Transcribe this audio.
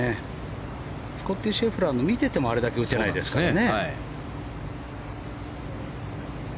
スコッティ・シェフラーを見ててもあれだけ打てないですからね。